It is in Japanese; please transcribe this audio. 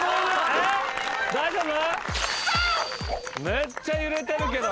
めっちゃ揺れてるけど。